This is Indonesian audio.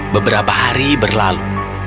beberapa hari berlalu